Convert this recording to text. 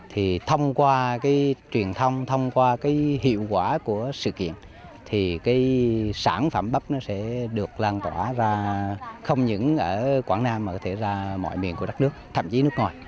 thông qua truyền thông thông qua hiệu quả của sự kiện sản phẩm bắp sẽ được lan tỏa ra không những ở quảng nam mà có thể ra mọi miền của đất nước thậm chí nước ngoài